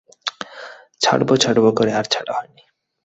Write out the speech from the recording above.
ছাড়ব ছাড়ব করে আর ছাড়া হয়নি।